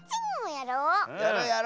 やろうやろう！